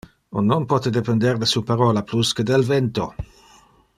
On non pote depender de su parola plus que del vento.